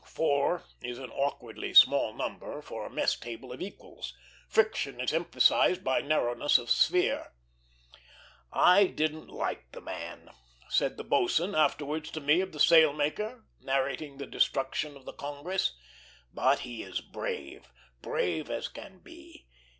Four is an awkwardly small number for a mess table of equals; friction is emphasized by narrowness of sphere. "I didn't like the man," said the boatswain afterwards to me of the sailmaker, narrating the destruction of the Congress; "but he is brave, brave as can be.